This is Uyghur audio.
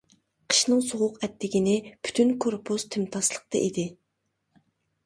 قىشنىڭ سوغۇق ئەتىگىنى، پۈتۈن كورپۇس تىمتاسلىقتا ئىدى.